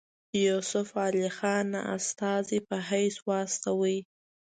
یوسف علي خان استازي په حیث واستاوه.